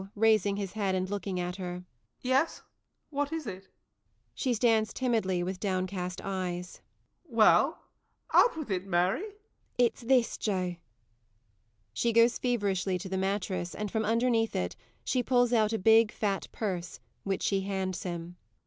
[Raising his head and looking at her.] Yes what is it? [She stands timidly with downcast eyes.] Well? Out with it, Mary! MARY. [Suddenly.] It's this, Joe. [_She goes feverishly to the mattress, and from underneath it she pulls out a big, fat purse which she hands him.